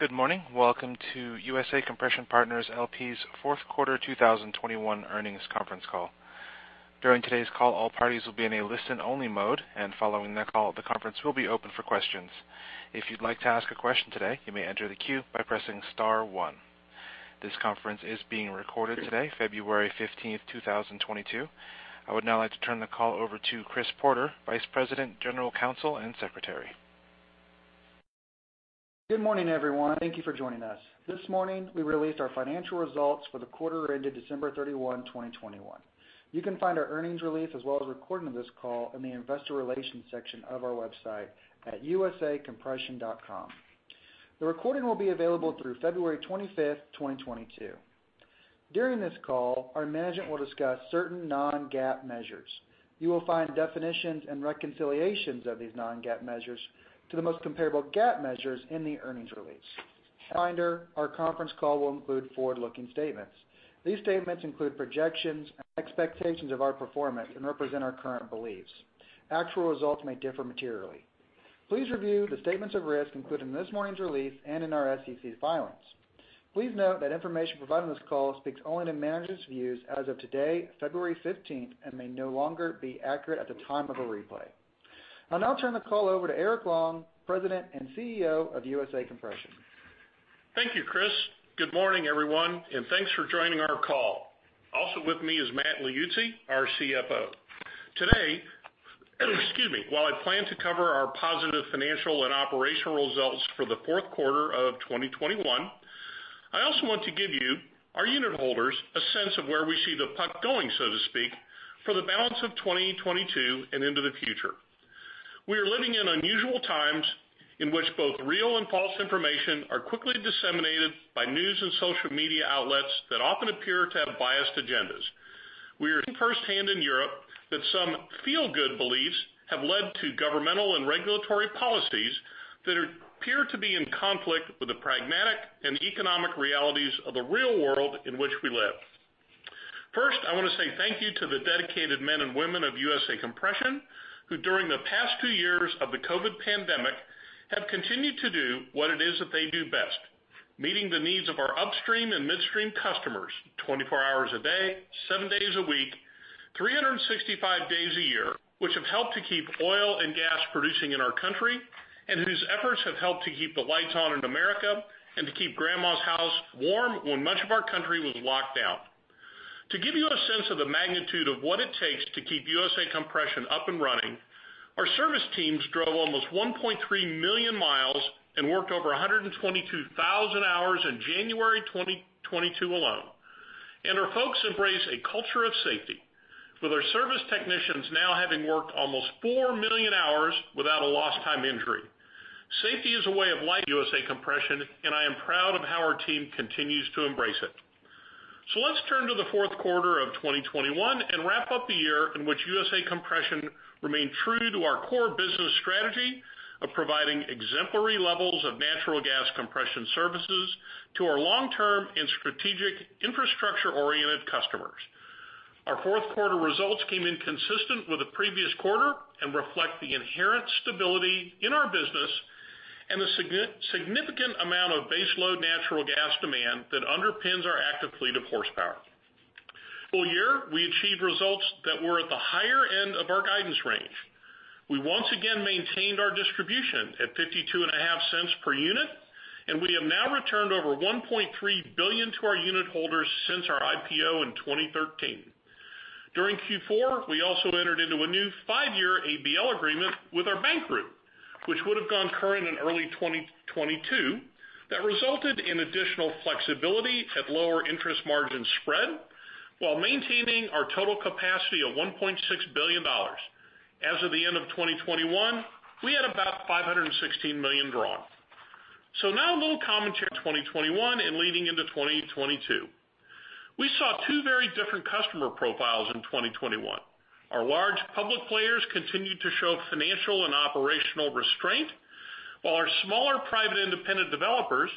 Good morning. Welcome to USA Compression Partners, LP's Fourth Quarter 2021 Earnings Conference Call. During today's call, all parties will be in a listen-only mode, and following that call, the conference will be open for questions. If you'd like to ask a question today, you may enter the queue by pressing star one. This conference is being recorded today, February 15th, 2022. I would now like to turn the call over to Chris Porter, Vice President, General Counsel, and Secretary. Good morning, everyone. Thank you for joining us. This morning, we released our financial results for the quarter ended December 31, 2021. You can find our earnings release, as well as a recording of this call, in the investor relations section of our website at usacompression.com. The recording will be available through February 25th, 2022. During this call, our management will discuss certain non-GAAP measures. You will find definitions and reconciliations of these non-GAAP measures to the most comparable GAAP measures in the earnings release. Finally, our conference call will include forward-looking statements. These statements include projections and expectations of our performance and represent our current beliefs. Actual results may differ materially. Please review the statements of risk included in this morning's release and in our SEC filings. Please note that information provided on this call speaks only to management's views as of today, February 15th, and may no longer be accurate at the time of a replay. I'll now turn the call over to Eric Long, President and CEO of USA Compression. Thank you, Chris. Good morning, everyone, and thanks for joining our call. Also with me is Matt Liuzzi, our CFO. Today, excuse me, while I plan to cover our positive financial and operational results for the fourth quarter of 2021, I also want to give you, our unit holders, a sense of where we see the puck going, so to speak, for the balance of 2022 and into the future. We are living in unusual times in which both real and false information are quickly disseminated by news and social media outlets that often appear to have biased agendas. We are seeing firsthand in Europe that some feel-good beliefs have led to governmental and regulatory policies that appear to be in conflict with the pragmatic and economic realities of the real world in which we live. First, I want to say thank you to the dedicated men and women of USA Compression, who, during the past two years of the COVID pandemic, have continued to do what it is that they do best, meeting the needs of our upstream and midstream customers 24 hours a day, seven days a week, 365 days a year, which have helped to keep oil and gas producing in our country and whose efforts have helped to keep the lights on in America and to keep grandma's house warm when much of our country was locked down. To give you a sense of the magnitude of what it takes to keep USA Compression up and running, our service teams drove almost 1.3 million mi and worked over 122,000 hours in January 2022 alone, and our folks embrace a culture of safety, with our service technicians now having worked almost 4 million hours without a lost time injury. Safety is a way of life at USA Compression, and I am proud of how our team continues to embrace it. Let's turn to the fourth quarter of 2021 and wrap up the year in which USA Compression remained true to our core business strategy of providing exemplary levels of natural gas compression services to our long-term and strategic infrastructure-oriented customers. Our fourth quarter results came in consistent with the previous quarter and reflect the inherent stability in our business and the significant amount of baseload natural gas demand that underpins our active fleet of horsepower. Full year, we achieved results that were at the higher end of our guidance range. We once again maintained our distribution at $0.525 per unit, and we have now returned over $1.3 billion to our unit holders since our IPO in 2013. During Q4, we also entered into a new five-year ABL agreement with our bank group, which would have gone current in early 2022, that resulted in additional flexibility at lower interest margin spread while maintaining our total capacity of $1.6 billion. As of the end of 2021, we had about $516 million drawn. Now a little commentary 2021 and leading into 2022. We saw two very different customer profiles in 2021. Our large public players continued to show financial and operational restraint, while our smaller private independent developers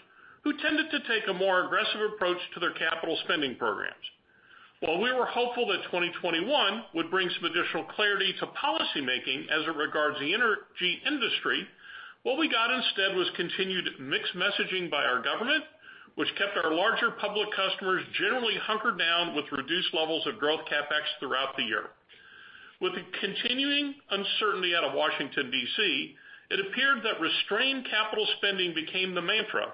who tended to take a more aggressive approach to their capital spending programs. While we were hopeful that 2021 would bring some additional clarity to policymaking as it regards the energy industry, what we got instead was continued mixed messaging by our government, which kept our larger public customers generally hunkered down with reduced levels of growth CapEx throughout the year. With the continuing uncertainty out of Washington, D.C., it appeared that restrained capital spending became the mantra,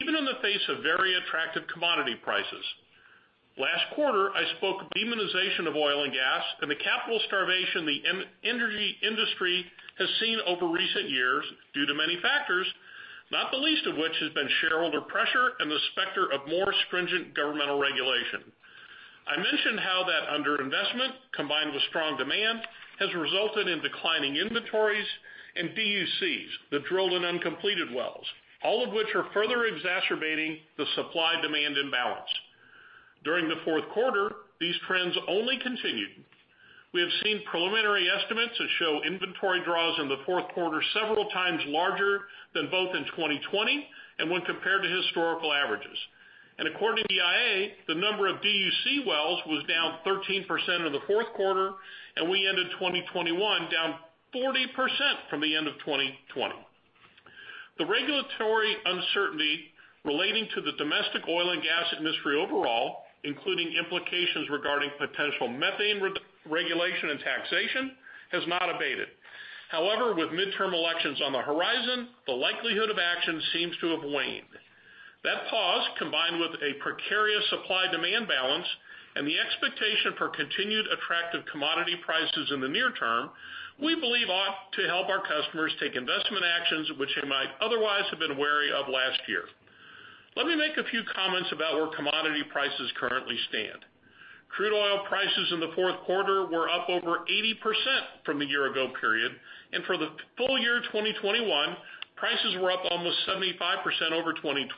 even in the face of very attractive commodity prices. Last quarter, I spoke of demonization of oil and gas and the capital starvation the energy industry has seen over recent years due to many factors, not the least of which has been shareholder pressure and the specter of more stringent governmental regulation. I mentioned how that underinvestment, combined with strong demand, has resulted in declining inventories and DUCs, the drilled and uncompleted wells, all of which are further exacerbating the supply-demand imbalance. During the fourth quarter, these trends only continued. We have seen preliminary estimates that show inventory draws in the fourth quarter several times larger than both in 2020 and when compared to historical averages. According to EIA, the number of DUC wells was down 13% in the fourth quarter, and we ended 2021 down 40% from the end of 2020. The regulatory uncertainty relating to the domestic oil and gas industry overall, including implications regarding potential methane regulation and taxation, has not abated. However, with midterm elections on the horizon, the likelihood of action seems to have waned. That pause, combined with a precarious supply-demand balance and the expectation for continued attractive commodity prices in the near term, we believe ought to help our customers take investment actions which they might otherwise have been wary of last year. Let me make a few comments about where commodity prices currently stand. Crude oil prices in the fourth quarter were up over 80% from the year ago period, and for the full year 2021, prices were up almost 75% over 2020.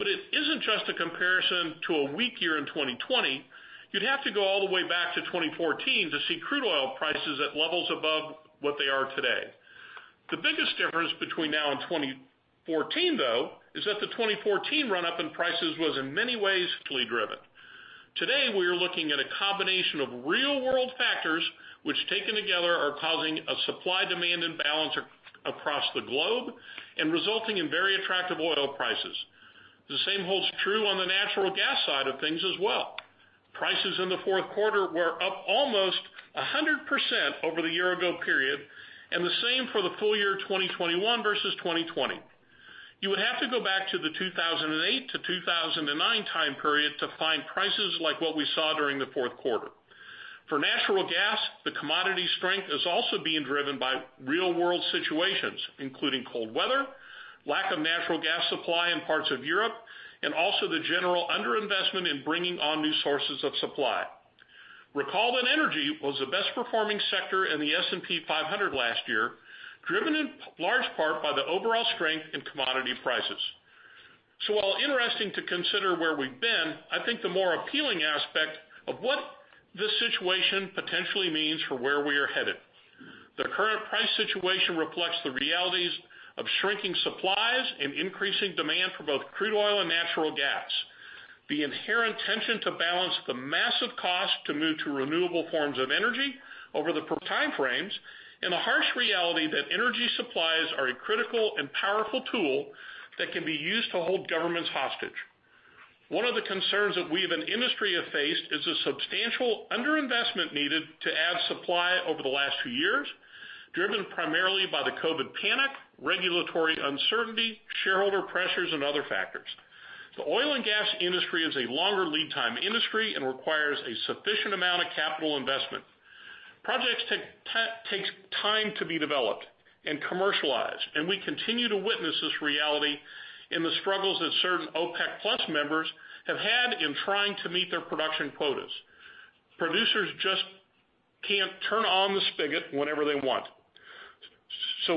It isn't just a comparison to a weak year in 2020. You'd have to go all the way back to 2014 to see crude oil prices at levels above what they are today. The biggest difference between now and 2014, though, is that the 2014 run-up in prices was in many ways driven. Today, we are looking at a combination of real-world factors which, taken together, are causing a supply-demand imbalance across the globe and resulting in very attractive oil prices. The same holds true on the natural gas side of things as well. Prices in the fourth quarter were up almost 100% over the year ago period, and the same for the full year 2021 vs 2020. You would have to go back to the 2008-2009 time period to find prices like what we saw during the fourth quarter. For natural gas, the commodity strength is also being driven by real-world situations, including cold weather, lack of natural gas supply in parts of Europe, and also the general underinvestment in bringing on new sources of supply. Recall that energy was the best-performing sector in the S&P 500 last year, driven in large part by the overall strength in commodity prices. While interesting to consider where we've been, I think the more appealing aspect of what this situation potentially means for where we are headed. The current price situation reflects the realities of shrinking supplies and increasing demand for both crude oil and natural gas. The inherent tension to balance the massive cost to move to renewable forms of energy over the time frames and the harsh reality that energy supplies are a critical and powerful tool that can be used to hold governments hostage. One of the concerns that we as an industry have faced is the substantial underinvestment needed to add supply over the last few years, driven primarily by the COVID panic, regulatory uncertainty, shareholder pressures, and other factors. The oil and gas industry is a longer lead time industry and requires a sufficient amount of capital investment. Projects take time to be developed and commercialized, and we continue to witness this reality in the struggles that certain OPEC+ members have had in trying to meet their production quotas. Producers just can't turn on the spigot whenever they want.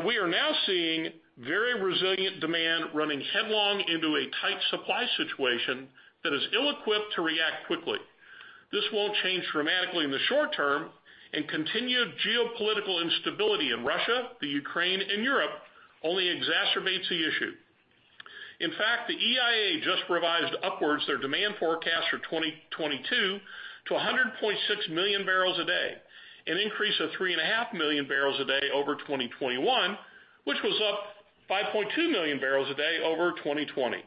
We are now seeing very resilient demand running headlong into a tight supply situation that is ill-equipped to react quickly. This won't change dramatically in the short term and continued geopolitical instability in Russia, the Ukraine, and Europe only exacerbates the issue. In fact, the EIA just revised upwards their demand forecast for 2022 to 100.6 million bbl a day, an increase of 3.5 million bbl a day over 2021, which was up 5.2 million bbl a day over 2020.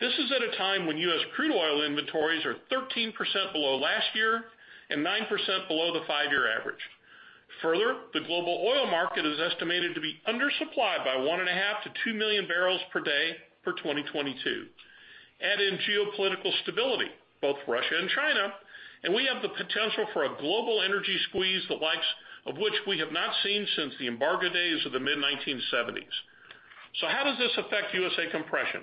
This is at a time when U.S. crude oil inventories are 13% below last year and 9% below the five-year average. Further, the global oil market is estimated to be undersupplied by 1.5-2 million bbl per day for 2022. Add in geopolitical stability, both Russia and China, and we have the potential for a global energy squeeze, the likes of which we have not seen since the embargo days of the mid-1970s. How does this affect USA Compression?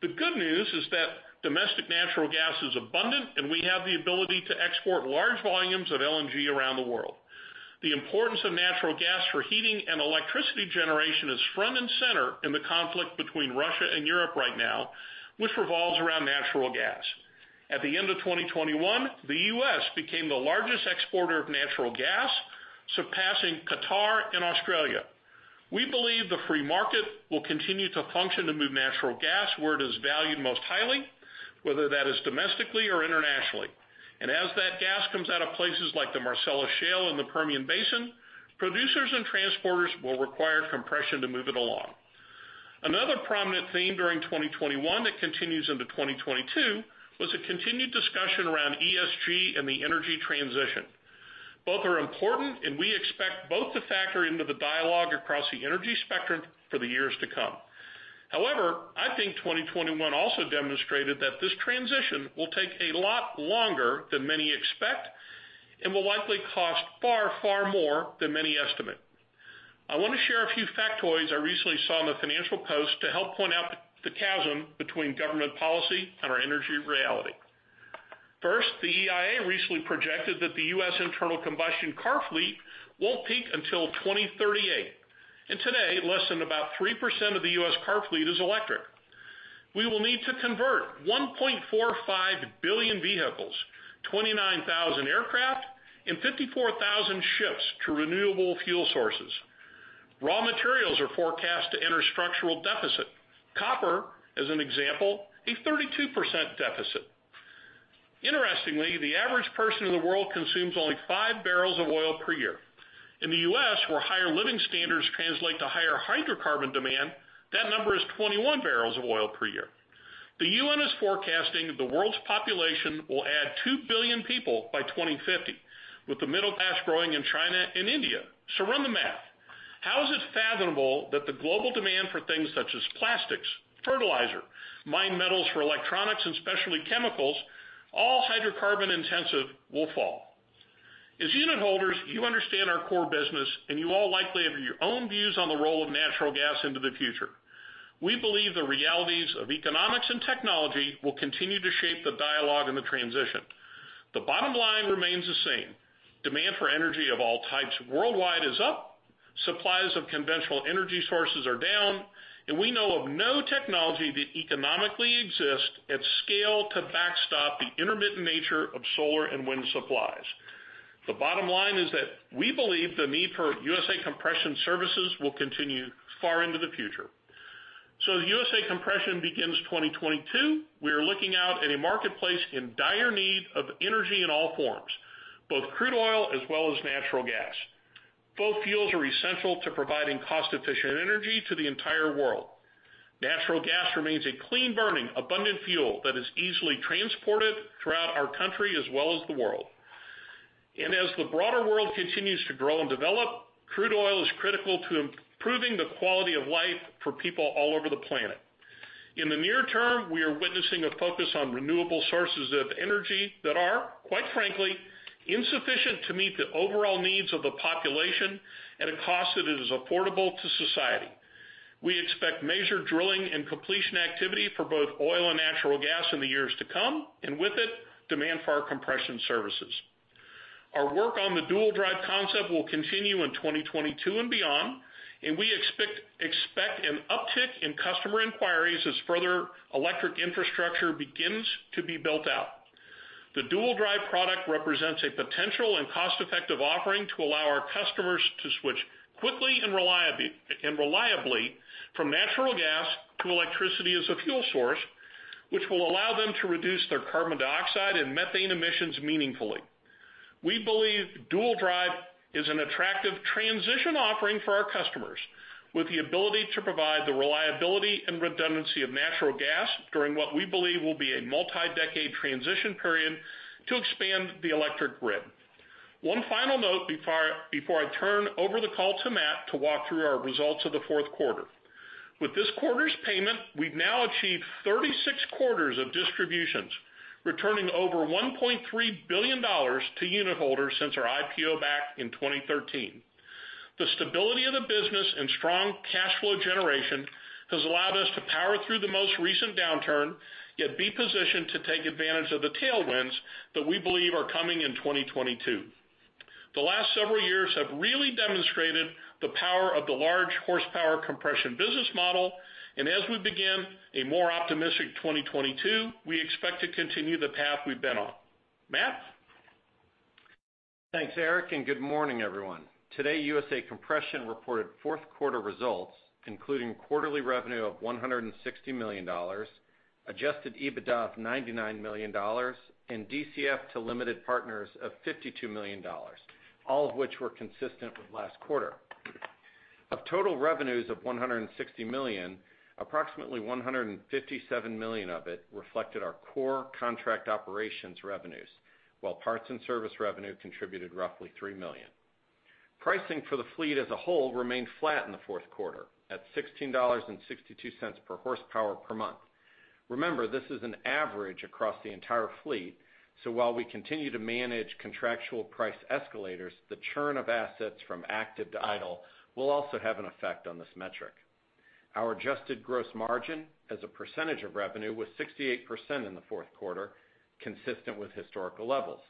The good news is that domestic natural gas is abundant, and we have the ability to export large volumes of LNG around the world. The importance of natural gas for heating and electricity generation is front and center in the conflict between Russia and Europe right now, which revolves around natural gas. At the end of 2021, the U.S. became the largest exporter of natural gas, surpassing Qatar and Australia. We believe the free market will continue to function to move natural gas where it is valued most highly, whether that is domestically or internationally. As that gas comes out of places like the Marcellus Shale and the Permian Basin, producers and transporters will require compression to move it along. Another prominent theme during 2021 that continues into 2022 was a continued discussion around ESG and the energy transition. Both are important, and we expect both to factor into the dialogue across the energy spectrum for the years to come. However, I think 2021 also demonstrated that this transition will take a lot longer than many expect and will likely cost far, far more than many estimate. I want to share a few factoids I recently saw in the Financial Post to help point out the chasm between government policy and our energy reality. First, the EIA recently projected that the U.S. internal combustion car fleet won't peak until 2038, and today, less than about 3% of the U.S. car fleet is electric. We will need to convert 1.45 billion vehicles, 29,000 aircraft, and 54,000 ships to renewable fuel sources. Raw materials are forecast to enter structural deficit. Copper, as an example, a 32% deficit. Interestingly, the average person in the world consumes only 5 bbl of oil per year. In the U.S., where higher living standards translate to higher hydrocarbon demand, that number is 21 bbl of oil per year. The UN is forecasting the world's population will add 2 billion people by 2050, with the middle class growing in China and India. Run the math. How is it fathomable that the global demand for things such as plastics, fertilizer, mined metals for electronics and specialty chemicals, all hydrocarbon-intensive, will fall? As unitholders, you understand our core business, and you all likely have your own views on the role of natural gas into the future. We believe the realities of economics and technology will continue to shape the dialogue and the transition. The bottom line remains the same: demand for energy of all types worldwide is up, supplies of conventional energy sources are down, and we know of no technology that economically exists at scale to backstop the intermittent nature of solar and wind supplies. The bottom line is that we believe the need for USA Compression services will continue far into the future. So as USA Compression begins 2022, we are looking out at a marketplace in dire need of energy in all forms, both crude oil as well as natural gas. Both fuels are essential to providing cost-efficient energy to the entire world. Natural gas remains a clean-burning, abundant fuel that is easily transported throughout our country as well as the world. As the broader world continues to grow and develop, crude oil is critical to improving the quality of life for people all over the planet. In the near term, we are witnessing a focus on renewable sources of energy that are, quite frankly, insufficient to meet the overall needs of the population at a cost that is affordable to society. We expect measured drilling and completion activity for both oil and natural gas in the years to come, and with it, demand for our compression services. Our work on the Dual Drive concept will continue in 2022 and beyond, and we expect an uptick in customer inquiries as further electric infrastructure begins to be built out. The Dual Drive product represents a potential and cost-effective offering to allow our customers to switch quickly and reliably from natural gas to electricity as a fuel source, which will allow them to reduce their carbon dioxide and methane emissions meaningfully. We believe Dual Drive is an attractive transition offering for our customers, with the ability to provide the reliability and redundancy of natural gas during what we believe will be a multi-decade transition period to expand the electric grid. One final note before I turn over the call to Matt to walk through our results of the fourth quarter. With this quarter's payment, we've now achieved 36 quarters of distributions, returning over $1.3 billion to unitholders since our IPO back in 2013. The stability of the business and strong cash flow generation has allowed us to power through the most recent downturn, yet be positioned to take advantage of the tailwinds that we believe are coming in 2022. The last several years have really demonstrated the power of the large horsepower compression business model, and as we begin a more optimistic 2022, we expect to continue the path we've been on. Matt? Thanks, Eric, and good morning, everyone. Today, USA Compression reported fourth quarter results, including quarterly revenue of $160 million, adjusted EBITDA of $99 million, and DCF to limited partners of $52 million, all of which were consistent with last quarter. Of total revenues of $160 million, approximately $157 million of it reflected our core contract operations revenues, while parts and service revenue contributed roughly $3 million. Pricing for the fleet as a whole remained flat in the fourth quarter at $16.62 per horsepower per month. Remember, this is an average across the entire fleet, so while we continue to manage contractual price escalators, the churn of assets from active to idle will also have an effect on this metric. Our adjusted gross margin as a percentage of revenue was 68% in the fourth quarter, consistent with historical levels.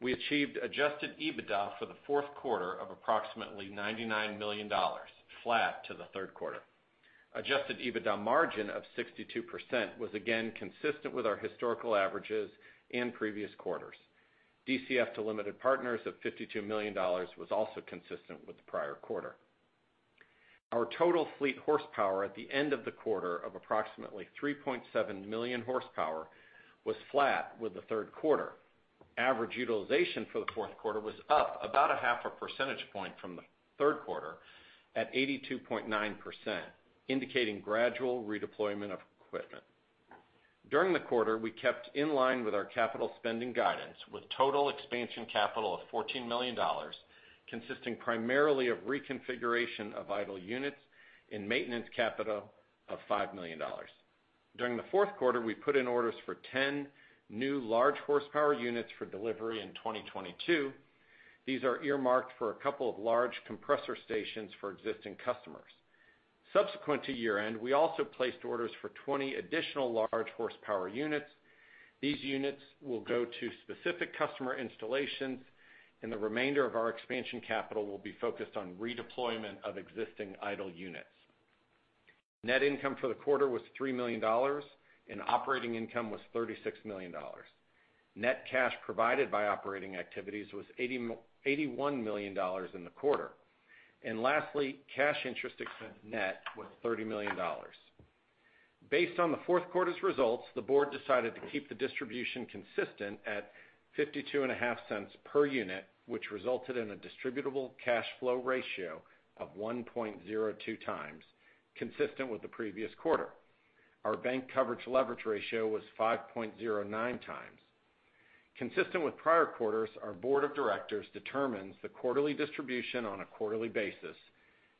We achieved adjusted EBITDA for the fourth quarter of approximately $99 million, flat to the third quarter. Adjusted EBITDA margin of 62% was again consistent with our historical averages and previous quarters. DCF to limited partners of $52 million was also consistent with the prior quarter. Our total fleet horsepower at the end of the quarter of approximately 3.7 million horsepower was flat with the third quarter. Average utilization for the fourth quarter was up about a half a percentage point from the third quarter at 82.9%, indicating gradual redeployment of equipment. During the quarter, we kept in line with our capital spending guidance, with total expansion capital of $14 million, consisting primarily of reconfiguration of idle units and maintenance capital of $5 million. During the fourth quarter, we put in orders for 10 new large horsepower units for delivery in 2022. These are earmarked for a couple of large compressor stations for existing customers. Subsequent to year-end, we also placed orders for 20 additional large horsepower units. These units will go to specific customer installations, and the remainder of our expansion capital will be focused on redeployment of existing idle units. Net income for the quarter was $3 million, and operating income was $36 million. Net cash provided by operating activities was $81 million in the quarter. Lastly, cash interest expense net was $30 million. Based on the fourth quarter's results, the board decided to keep the distribution consistent at $0.525 per unit, which resulted in a distributable cash flow ratio of 1.02 times, consistent with the previous quarter. Our bank coverage leverage ratio was 5.09x. Consistent with prior quarters, our board of directors determines the quarterly distribution on a quarterly basis,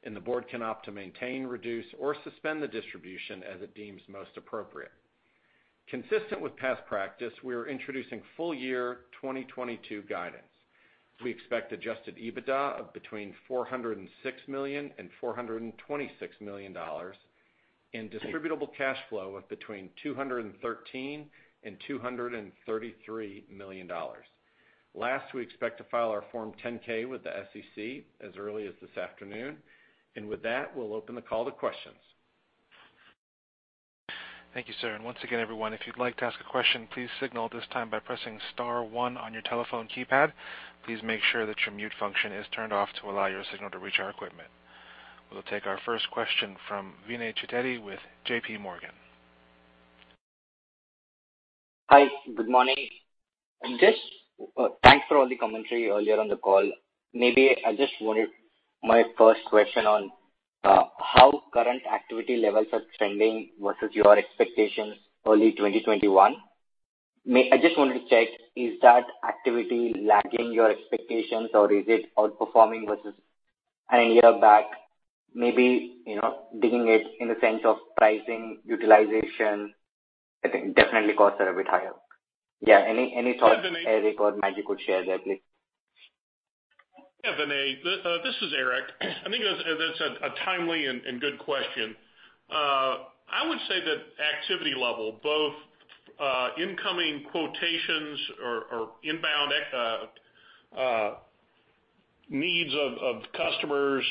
and the board can opt to maintain, reduce, or suspend the distribution as it deems most appropriate. Consistent with past practice, we are introducing full year 2022 guidance. We expect adjusted EBITDA of between $406 million and $426 million, and distributable cash flow of between $213 million and $233 million. Last, we expect to file our Form 10-K with the SEC as early as this afternoon. With that, we'll open the call to questions. Thank you, sir. Once again, everyone, if you'd like to ask a question, please signal this time by pressing star one on your telephone keypad. Please make sure that your mute function is turned off to allow your signal to reach our equipment. We'll take our first question from Vinay Chittari with JPMorgan. Hi, good morning. Just, thanks for all the commentary earlier on the call. Maybe I just wanted my first question on how current activity levels are trending vs your expectations early 2021. I just wanted to check, is that activity lagging your expectations, or is it outperforming vs a year back? Maybe, you know, digging into it in the sense of pricing, utilization. I think definitely costs are a bit higher. Yeah, any thoughts, Eric or Matt, you could share there, please. Yeah, Vinay, this is Eric. I think that's a timely and good question. I would say that activity level, both incoming quotations or inbound needs of customers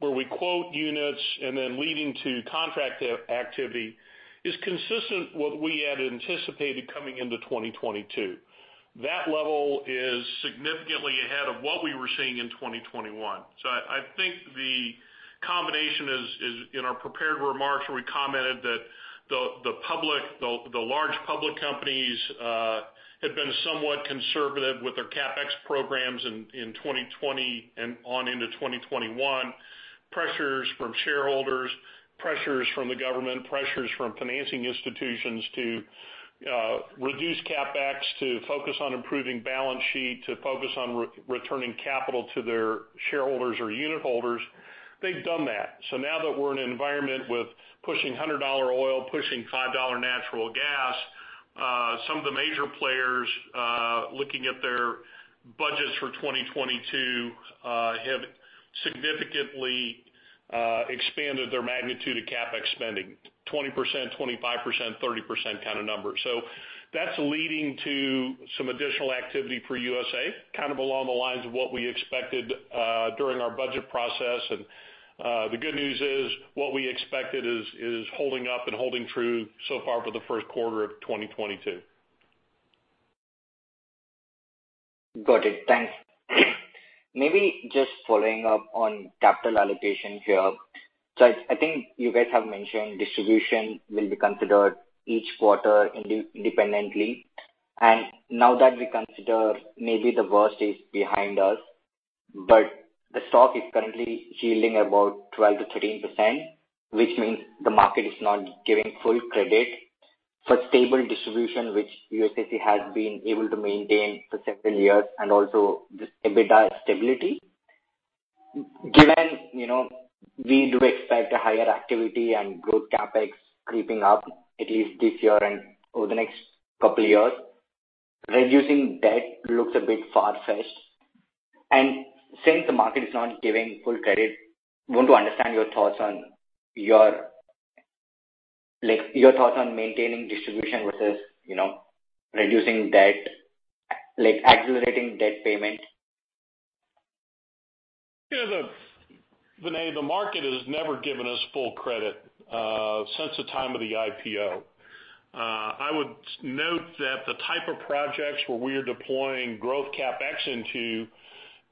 where we quote units and then leading to contract activity is consistent with what we had anticipated coming into 2022. That level is significantly ahead of what we were seeing in 2021. I think the combination is in our prepared remarks, where we commented that the public, the large public companies had been somewhat conservative with their CapEx programs in 2020 and on into 2021. Pressures from shareholders, pressures from the government, pressures from financing institutions to reduce CapEx to focus on improving balance sheet, to focus on returning capital to their shareholders or unit holders, they've done that. Now that we're in an environment with pushing $100 oil, pushing $5 natural gas, some of the major players looking at their budgets for 2022 have significantly expanded their magnitude of CapEx spending. 20%, 25%, 30% kinda numbers. That's leading to some additional activity for USA, kind of along the lines of what we expected during our budget process. The good news is what we expected is holding up and holding true so far for the first quarter of 2022. Got it. Thanks. Maybe just following up on capital allocation here. I think you guys have mentioned distribution will be considered each quarter independently. Now that we consider maybe the worst is behind us, but the stock is currently yielding about 12%-13%, which means the market is not giving full credit for stable distribution, which USAC has been able to maintain for several years and also this EBITDA stability. Given, you know, we do expect a higher activity and growth CapEx creeping up at least this year and over the next couple years, reducing debt looks a bit far-fetched. Since the market is not giving full credit, want to understand your thoughts on your, like, your thoughts on maintaining distribution vs, you know, reducing debt, like accelerating debt payment. Yeah, Vinay, the market has never given us full credit since the time of the IPO. I would note that the type of projects where we are deploying growth CapEx into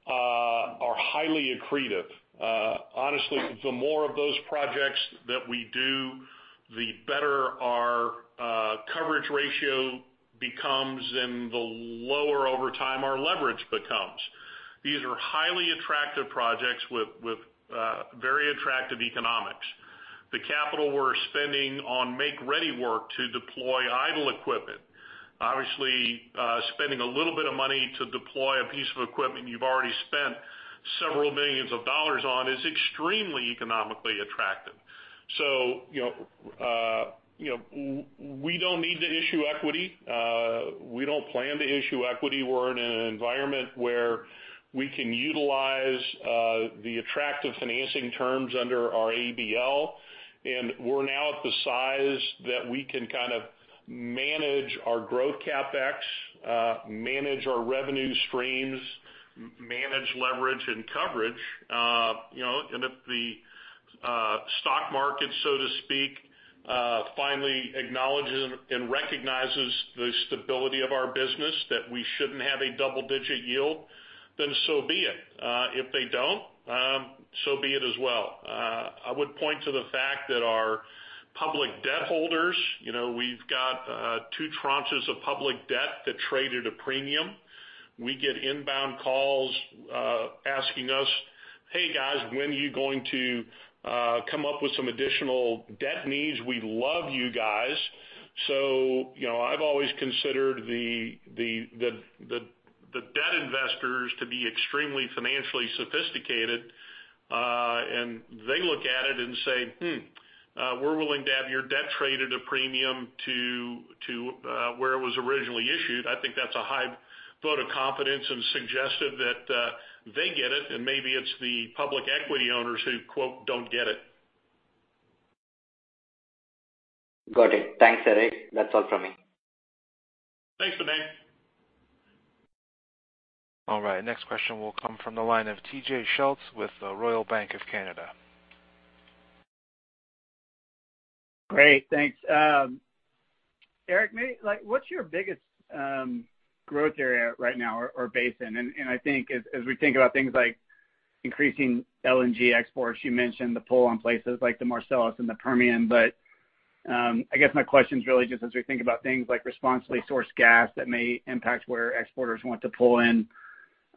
are highly accretive. Honestly, the more of those projects that we do, the better our coverage ratio becomes and the lower over time our leverage becomes. These are highly attractive projects with very attractive economics. The capital we're spending on make-ready work to deploy idle equipment. Obviously, spending a little bit of money to deploy a piece of equipment you've already spent several million dollars on is extremely economically attractive. You know, you know, we don't need to issue equity. We don't plan to issue equity. We're in an environment where we can utilize the attractive financing terms under our ABL, and we're now at the size that we can kind of manage our growth CapEx, manage our revenue streams, manage leverage and coverage. You know, and if the stock market, so to speak, finally acknowledges and recognizes the stability of our business that we shouldn't have a double-digit yield, then so be it. If they don't, so be it as well. I would point to the fact that our public debt holders, you know, we've got two tranches of public debt that trade at a premium. We get inbound calls asking us, "Hey guys, when are you going to come up with some additional debt needs? We love you guys." You know, I've always considered the debt investors to be extremely financially sophisticated. And they look at it and say, "Hmm, we're willing to have your debt traded at a premium to where it was originally issued." I think that's a high vote of confidence and suggestive that they get it, and maybe it's the public equity owners who quote, "don't get it. Got it. Thanks, Eric. That's all from me. Thanks, Vinay. All right, next question will come from the line of T.J. Schultz with Royal Bank of Canada. Great, thanks. Eric, like, what's your biggest growth area right now or basin? I think as we think about things like increasing LNG exports, you mentioned the pull on places like the Marcellus and the Permian. I guess my question's really just as we think about things like Responsibly Sourced Gas that may impact where exporters want to pull in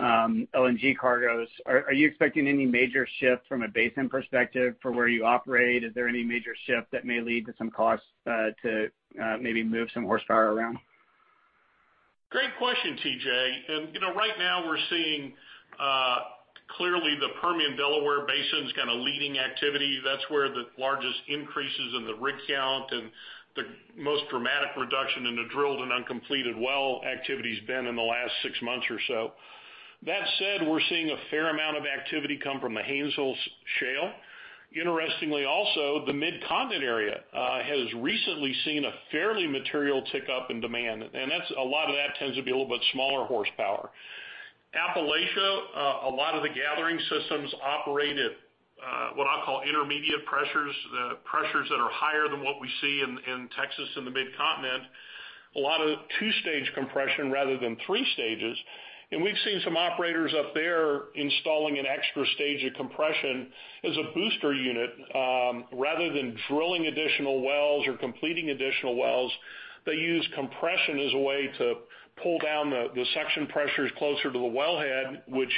LNG cargoes, are you expecting any major shift from a basin perspective for where you operate? Is there any major shift that may lead to some costs to maybe move some horsepower around? Great question, T.J. You know, right now we're seeing clearly the Permian Delaware Basin's kind of leading activity. That's where the largest increases in the rig count and the most dramatic reduction in the drilled and uncompleted well activity's been in the last six months or so. That said, we're seeing a fair amount of activity come from the Haynesville Shale. Interestingly, also, the Midcontinent area has recently seen a fairly material tick-up in demand, and that's a lot of that tends to be a little bit smaller horsepower. Appalachia, a lot of the gathering systems operate at what I'll call intermediate pressures that are higher than what we see in Texas and the Midcontinent. A lot of two-stage compression rather than three stages. We've seen some operators up there installing an extra stage of compression as a booster unit. Rather than drilling additional wells or completing additional wells, they use compression as a way to pull down the suction pressures closer to the wellhead, which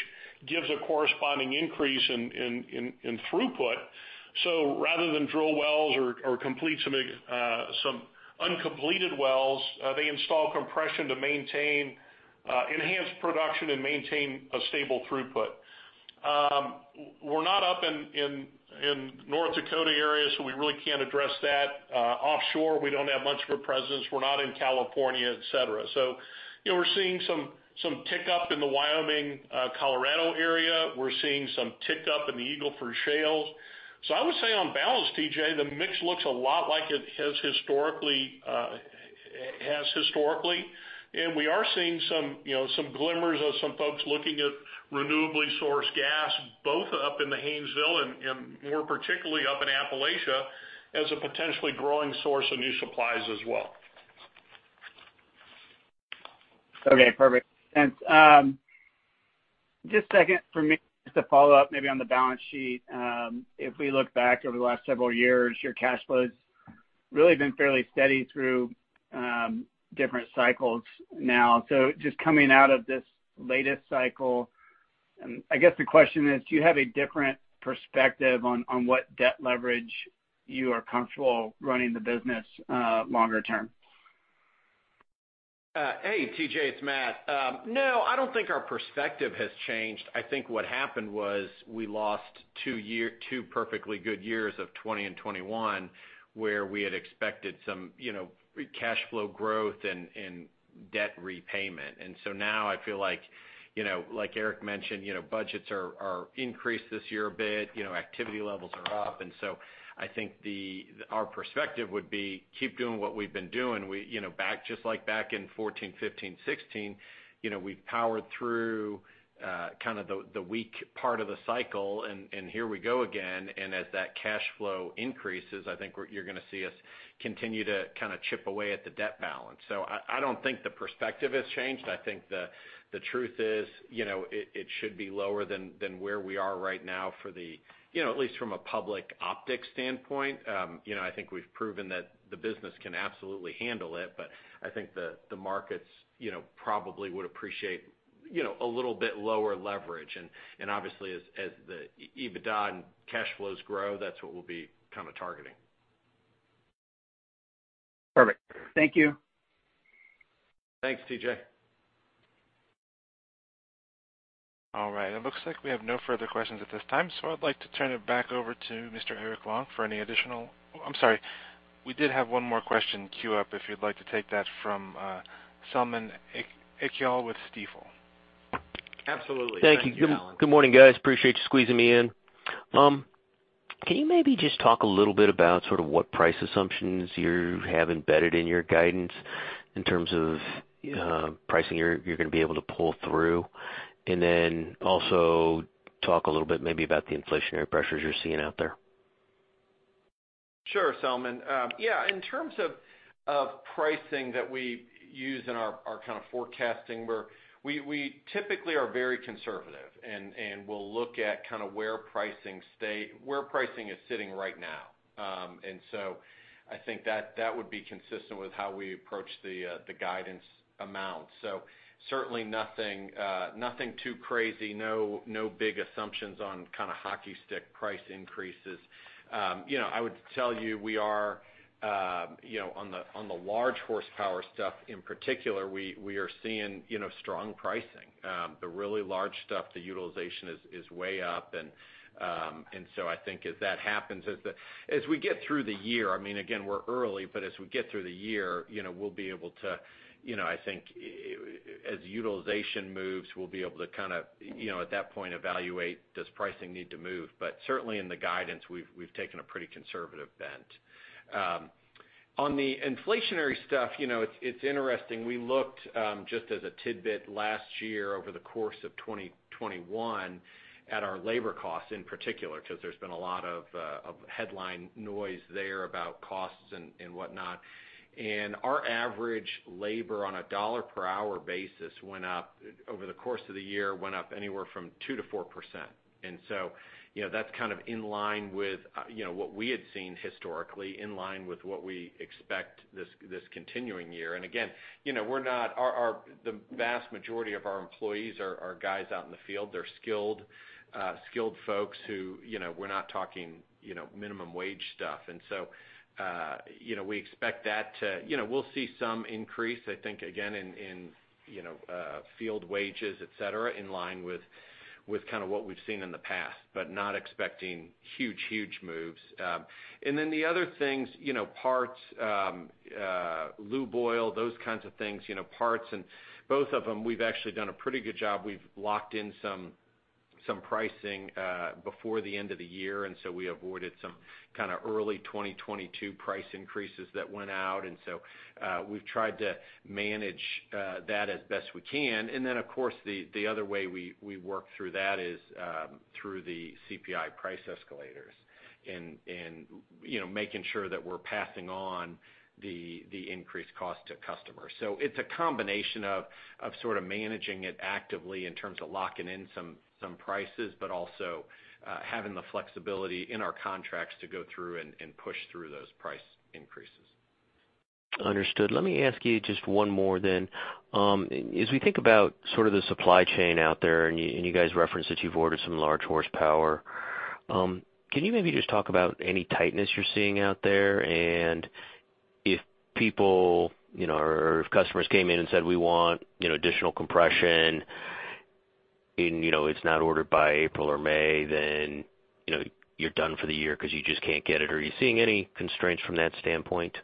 gives a corresponding increase in throughput. Rather than drill wells or complete some uncompleted wells, they install compression to maintain and enhance production and maintain a stable throughput. We're not up in the North Dakota area, so we really can't address that. Offshore, we don't have much of a presence. We're not in California, et cetera. You know, we're seeing some uptick in the Wyoming, Colorado area. We're seeing some uptick in the Eagle Ford Shale. I would say on balance, T.J., the mix looks a lot like it has historically. We are seeing some, you know, some glimmers of some folks looking at Responsibly Sourced Gas, both up in the Haynesville and more particularly up in Appalachia as a potentially growing source of new supplies as well. Okay, perfect. Just a second for me, just to follow up maybe on the balance sheet. If we look back over the last several years, your cash flow's really been fairly steady through different cycles now. Just coming out of this latest cycle, I guess the question is, do you have a different perspective on what debt leverage you are comfortable running the business longer term? Hey, T.J., it's Matt. No, I don't think our perspective has changed. I think what happened was we lost two perfectly good years of 2020 and 2021, where we had expected some, you know, cash flow growth and debt repayment. Now I feel like, you know, like Eric mentioned, you know, budgets are increased this year a bit, you know, activity levels are up. I think our perspective would be keep doing what we've been doing. We, you know, just like back in 2014, 2015, 2016, you know, we've powered through kind of the weak part of the cycle and here we go again. As that cash flow increases, I think you're gonna see us continue to kind of chip away at the debt balance. I don't think the perspective has changed. I think the truth is, you know, it should be lower than where we are right now for the, you know, at least from a public optics standpoint. You know, I think we've proven that the business can absolutely handle it, but I think the markets, you know, probably would appreciate, you know, a little bit lower leverage. Obviously, as the EBITDA and cash flows grow, that's what we'll be kind of targeting. Perfect. Thank you. Thanks, T.J. All right. It looks like we have no further questions at this time, so I'd like to turn it back over to Mr. Eric Long for any additional. Oh, I'm sorry. We did have one more question queued up, if you'd like to take that from Selman Akyol with Stifel. Absolutely. Thanks, Selman. Thank you. Good morning, guys. I appreciate you squeezing me in. Can you maybe just talk a little bit about sort of what price assumptions you have embedded in your guidance in terms of pricing you're gonna be able to pull through? Also talk a little bit maybe about the inflationary pressures you're seeing out there. Sure, Selman. Yeah, in terms of pricing that we use in our kind of forecasting, we typically are very conservative and we'll look at kind of where pricing is sitting right now. I think that would be consistent with how we approach the guidance amount. Certainly nothing too crazy, no big assumptions on kind of hockey stick price increases. You know, I would tell you, we are, you know, on the large horsepower stuff in particular, we are seeing, you know, strong pricing. The really large stuff, the utilization is way up and so I think as that happens as we get through the year, I mean, again, we're early, but as we get through the year, you know, we'll be able to, you know, I think, as utilization moves, we'll be able to kind of, you know, at that point evaluate does pricing need to move. But certainly in the guidance, we've taken a pretty conservative bent. On the inflationary stuff, you know, it's interesting. We looked just as a tidbit last year over the course of 2021 at our labor costs in particular, because there's been a lot of headline noise there about costs and whatnot. Our average labor on a dollar per hour basis went up over the course of the year anywhere from 2%-4%. That's kind of in line with what we had seen historically, in line with what we expect this continuing year. The vast majority of our employees are guys out in the field. They're skilled folks who we're not talking minimum wage stuff. We expect that to. We'll see some increase, I think, again in field wages, et cetera, in line with kind of what we've seen in the past, but not expecting huge moves. Then the other things, you know, parts, lube oil, those kinds of things, you know, parts and both of them, we've actually done a pretty good job. We've locked in some pricing before the end of the year, and so we avoided some kind of early 2022 price increases that went out. We've tried to manage that as best we can. Of course, the other way we work through that is through the CPI price escalators and you know, making sure that we're passing on the increased cost to customers. It's a combination of sort of managing it actively in terms of locking in some prices, but also having the flexibility in our contracts to go through and push through those price increases. Understood. Let me ask you just one more then. As we think about sort of the supply chain out there and you guys referenced that you've ordered some large horsepower, can you maybe just talk about any tightness you're seeing out there? If people, you know, or if customers came in and said, "We want, you know, additional compression," and, you know, it's not ordered by April or May, then, you know, you're done for the year because you just can't get it. Are you seeing any constraints from that standpoint?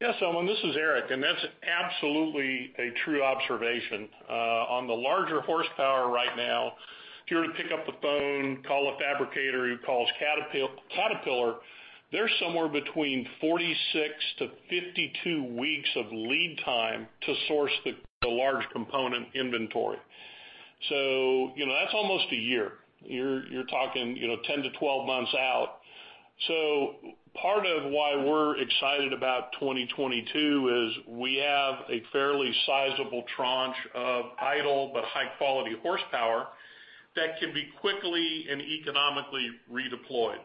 Yeah, Selman, this is Eric, and that's absolutely a true observation. On the larger horsepower right now, if you were to pick up the phone, call a fabricator who calls Caterpillar, there's somewhere between 46-52 weeks of lead time to source the large component inventory. You know, that's almost a year. You're talking, you know, 10-12 months out. Part of why we're excited about 2022 is we have a fairly sizable tranche of idle but high-quality horsepower that can be quickly and economically redeployed.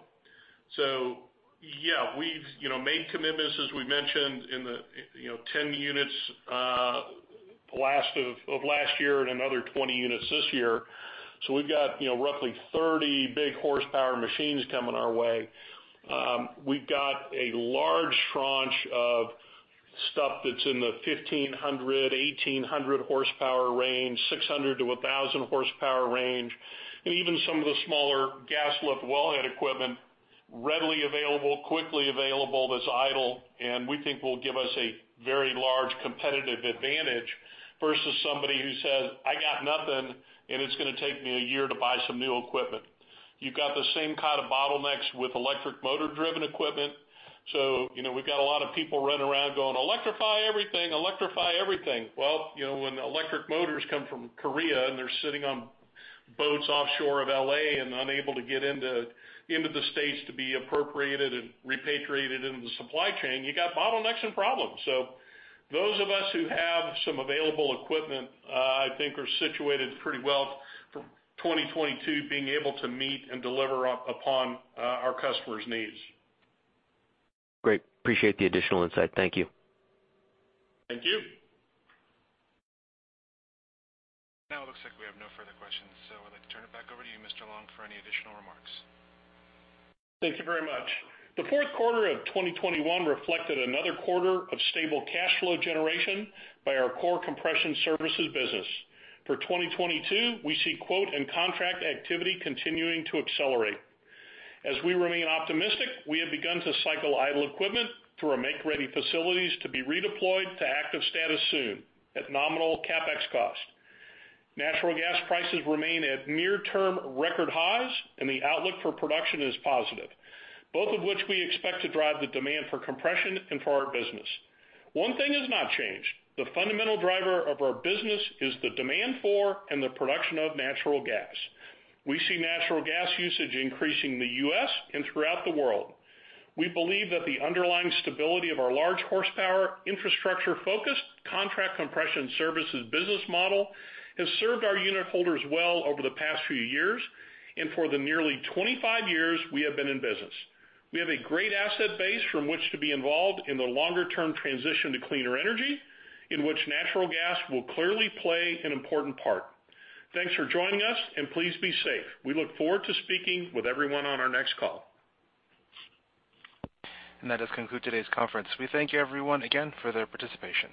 Yeah, we've, you know, made commitments, as we mentioned, in the, you know, 10 units last of last year and another 20 units this year. We've got, you know, roughly 30 big horsepower machines coming our way. We've got a large tranche of stuff that's in the 1,500, 1,800 horsepower range, 600-1,000 horsepower range, and even some of the smaller gas lift wellhead equipment readily available, quickly available, that's idle, and we think will give us a very large competitive advantage vs somebody who says, "I got nothing, and it's gonna take me a year to buy some new equipment." You've got the same kind of bottlenecks with electric motor-driven equipment. You know, we've got a lot of people running around going, "Electrify everything, electrify everything." Well, you know, when electric motors come from Korea and they're sitting on boats offshore of L.A. and unable to get into the States to be appropriated and repatriated into the supply chain, you got bottlenecks and problems. Those of us who have some available equipment, I think, are situated pretty well for 2022 being able to meet and deliver upon our customers' needs. Great. Appreciate the additional insight. Thank you. Thank you. Now it looks like we have no further questions, so I'd like to turn it back over to you, Mr. Long, for any additional remarks. Thank you very much. The fourth quarter of 2021 reflected another quarter of stable cash flow generation by our core compression services business. For 2022, we see quote and contract activity continuing to accelerate. As we remain optimistic, we have begun to cycle idle equipment through our make-ready facilities to be redeployed to active status soon at nominal CapEx cost. Natural gas prices remain at near-term record highs, and the outlook for production is positive, both of which we expect to drive the demand for compression and for our business. One thing has not changed. The fundamental driver of our business is the demand for and the production of natural gas. We see natural gas usage increasing in the U.S. and throughout the world. We believe that the underlying stability of our large horsepower, infrastructure-focused Contract Compression Services business model has served our unit holders well over the past few years and for the nearly 25 years we have been in business. We have a great asset base from which to be involved in the longer-term transition to cleaner energy, in which natural gas will clearly play an important part. Thanks for joining us, and please be safe. We look forward to speaking with everyone on our next call. That does conclude today's conference. We thank you everyone again for their participation.